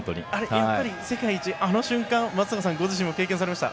やっぱり世界一あの瞬間、松坂さんご自身も経験されました。